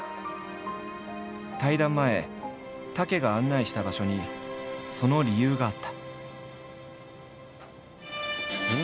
対談前武が案内した場所にその理由があった。